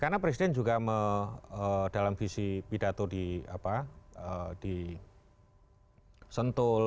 karena presiden juga dalam visi pidato di sentul